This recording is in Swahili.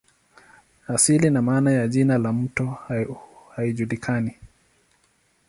Asili na maana ya jina la mto haijulikani.